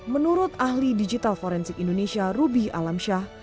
menurut ahli digital forensik indonesia ruby alamsyah